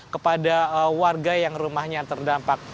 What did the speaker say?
kepada warga yang rumahnya terdampak